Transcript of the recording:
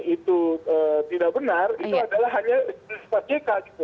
itu tidak benar itu adalah hanya pak jk gitu